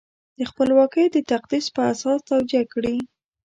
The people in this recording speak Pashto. د خپلواکۍ د تقدس په اساس توجیه کړي.